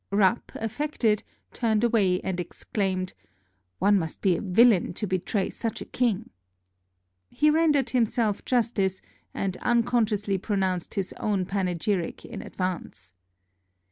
" Rapp, affected, turned away and exclaimed, "One must be a villain to betray such a king." He rendered himself justice, and unconsciously pronounced his own panegyric in advance.